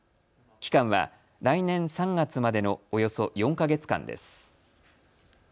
期間は来年３月までのおよそ４か月間です。